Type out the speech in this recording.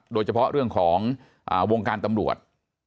โดยเฉพาะเรื่องของวงการตำรวจ